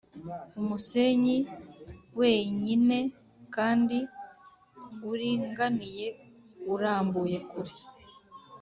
umusenyi wenyine kandi uringaniye urambuye kure.